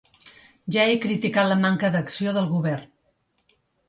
Ja he criticat la manca d’acció del govern.